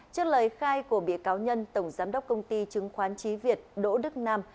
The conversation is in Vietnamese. trước lời khai của bị cáo nhân tổng giám đốc công ty chứng khoán trí việt đỗ đức nam